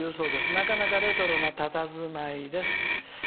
なかなかレトロなたたずまいです」。